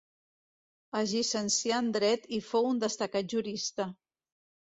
Es llicencià en dret i fou un destacat jurista.